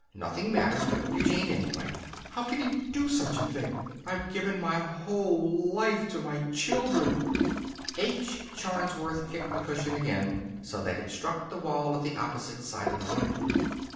Nothing matters but Eugene, anyway. How could he do such a thing! I've given my whole life to my children " H. Charnsworth kicked the cushion again so that it struck the wall at the opposite side of the room.